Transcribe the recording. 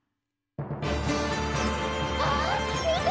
あっみて！